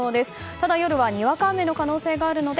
ただ、夜はにわか雨の可能性があるので